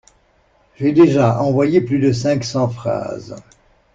J'ai déjà envoyé plus de cinq cent phrases.